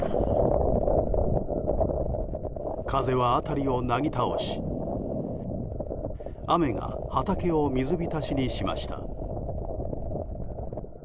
風は辺りをなぎ倒し雨が畑を水浸しにしました。